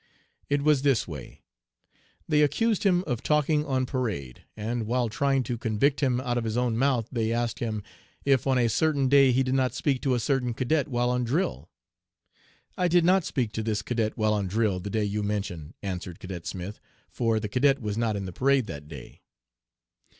"'It was this way: They accused him of talking on parade, and, while trying to convict him out of his own mouth, they asked him "If on a certain day he did not speak to a certain cadet while on drill?" "I did not speak to this cadet while on drill the day you mention," answered Cadet Smith, "for the cadet was not in the parade that day."'